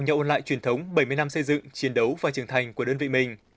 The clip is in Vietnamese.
nhằm ôn lại truyền thống bảy mươi năm xây dựng chiến đấu và trưởng thành của đơn vị mình